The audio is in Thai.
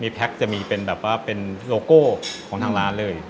แพ็คจะมีเป็นแบบว่าเป็นโลโก้ของทางร้านเลย